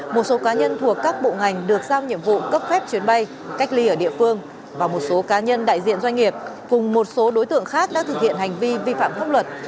một số cá nhân thuộc các bộ ngành được giao nhiệm vụ cấp phép chuyến bay cách ly ở địa phương và một số cá nhân đại diện doanh nghiệp cùng một số đối tượng khác đã thực hiện hành vi vi phạm pháp luật